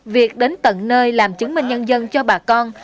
việc đến tận nơi làm chứng minh nhân dân cho bà con